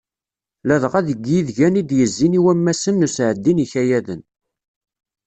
Ladɣa deg yidgan i d-yezzin i wammasen n usɛeddi n yikayaden.